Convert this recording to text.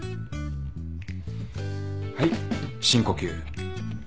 はい深呼吸。